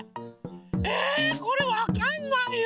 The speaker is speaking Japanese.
えこれわかんないよ！